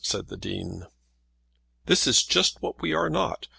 said the Dean. "That is just what we are not.